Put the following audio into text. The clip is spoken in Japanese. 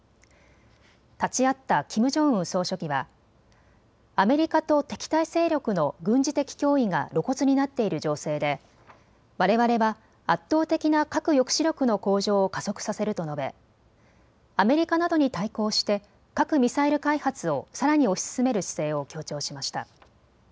立ち会ったキム・ジョンウン総書記はアメリカと敵対勢力の軍事的脅威が露骨になっている情勢でわれわれは圧倒的な核抑止力の向上を加速させると述べアメリカなどに対抗して核・ミサイル開発をさらに推し進める姿勢を強調しました。